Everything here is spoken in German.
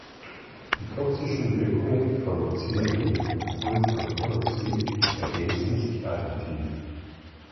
Die toxischen Wirkungen von Cyanid und Kohlenstoffmonoxid ergänzen sich additiv.